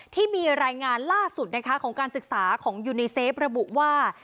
ที่มีรายงานล่าสุดนะคะของการศึกษาของยูนีเซฟระบุว่า